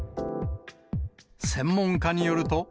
専門家によると。